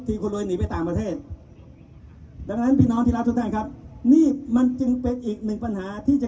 ทีคุณรวยหนีไปต่างประเทศเดี๋ยวมันจึงเป็นอีกหนึ่งปัญหาที่จะ